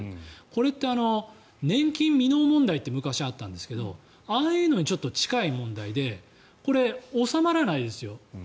これって年金未納問題って昔あったんですけどああいうのにちょっと近い問題でこれ、収まらないですよ。